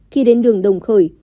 khi đến đường đồng khởi